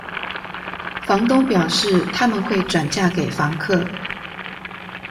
房東表示，他們會轉嫁給房客